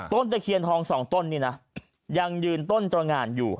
ตะเคียนทองสองต้นนี่นะยังยืนต้นตรงานอยู่